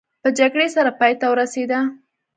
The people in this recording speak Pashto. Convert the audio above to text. په جګړې سره پای ته ورسېده.